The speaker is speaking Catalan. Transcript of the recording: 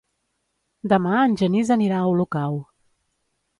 Demà en Genís anirà a Olocau.